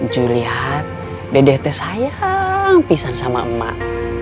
cuy lihat dede teh sayang pisah sama emak